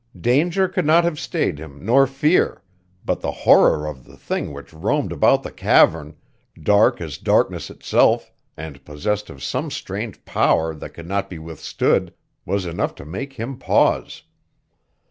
Danger could not have stayed him nor fear, but the horror of the thing which roamed about the cavern, dark as darkness itself and possessed of some strange power that could not be withstood, was enough to make him pause.